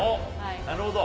なるほど。